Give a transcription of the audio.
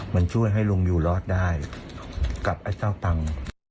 มันช่วยให้ลุงอยู่รอดได้กับไอ้เจ้าตังค์